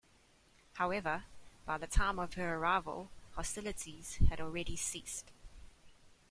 However, by the time of her arrival, hostilities had already ceased.